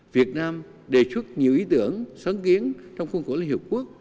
việt nam đề xuất nhiều ý tưởng sáng kiến trong khuôn khổ liên hiệp quốc